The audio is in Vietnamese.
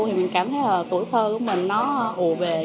thì mình cảm thấy là tuổi thơ của mình nó ùa về